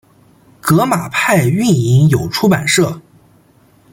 革马派运营有出版社。